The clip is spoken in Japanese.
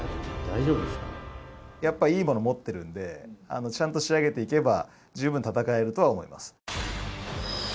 やっぱりいいもの持ってるのでちゃんと仕上げていけば十分戦えるとは思います。